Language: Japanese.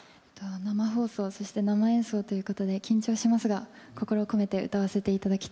生放送そして生演奏ということで緊張しますが心を込めて歌わせていただきたいと思います。